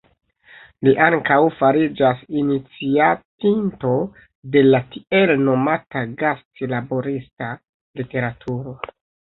Li ankaŭ fariĝas iniciatinto de la tiel nomata gastlaborista literaturo.